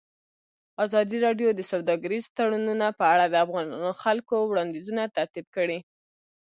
ازادي راډیو د سوداګریز تړونونه په اړه د خلکو وړاندیزونه ترتیب کړي.